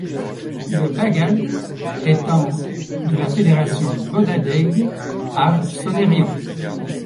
Le bagad est en de la fédération Bodadeg ar Sonerion.